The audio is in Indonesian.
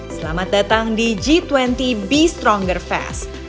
selamat datang di g dua puluh bea stronger fest